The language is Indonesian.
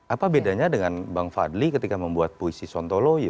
apa bedanya dengan bang fadli ketika membuat puisi sontoloyo